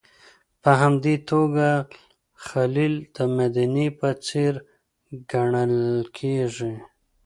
په همدې توګه الخلیل د مدینې په څېر ګڼل کېږي.